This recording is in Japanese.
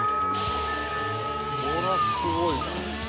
これはすごいな。